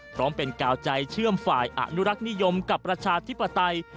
พร้อมเป็นกาวใจเชื่อมฝ่ายอนุรักษ์นิยมกับประชาธิปไตย